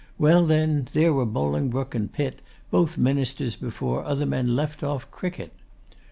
Well then, there were Bolingbroke and Pitt, both ministers before other men left off cricket.